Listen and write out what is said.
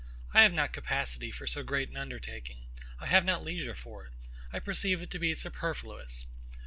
I have not capacity for so great an undertaking: I have not leisure for it: I perceive it to be superfluous.